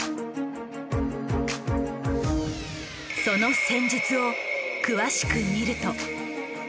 その戦術を詳しく見ると。